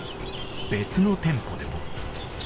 別の店舗でも。